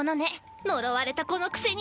呪われた子のくせに！